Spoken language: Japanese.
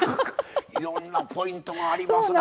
いろんなポイントがありますな